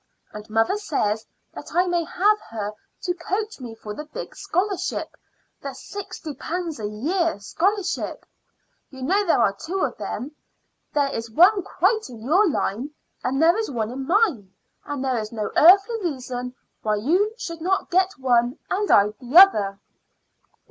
And mother says that I may have her to coach me for the big scholarship the sixty pounds a year scholarship. You know there are two of them. There is one quite in your line, and there is one in mine; and there is no earthly reason why you should not get one and I the other."